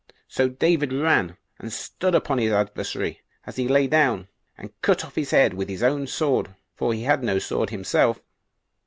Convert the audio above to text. So David ran, and stood upon his adversary as he lay down, and cut off his head with his own sword; for he had no sword himself.